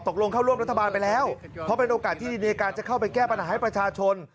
เข้าร่วมรัฐบาลไปแล้วเพราะเป็นโอกาสที่ในการจะเข้าไปแก้ปัญหาให้ประชาชน